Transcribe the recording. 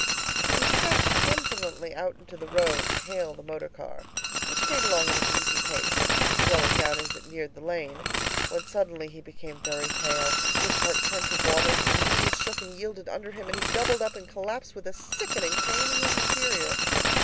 He stepped confidently out into the road to hail the motor car, which came along at an easy pace, slowing down as it neared the lane; when suddenly he became very pale, his heart turned to water, his knees shook and yielded under him, and he doubled up and collapsed with a sickening pain in his interior.